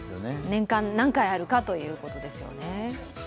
年間何回あるかということですよね。